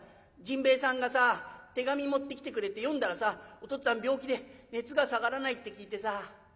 甚兵衛さんがさ手紙持ってきてくれて読んだらさお父っつぁん病気で熱が下がらないって聞いてさ。